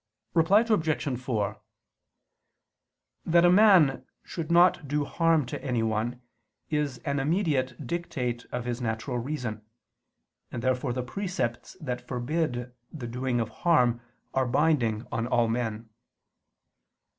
Reply Obj. 4: That a man should not do harm to anyone is an immediate dictate of his natural reason: and therefore the precepts that forbid the doing of harm are binding on all men.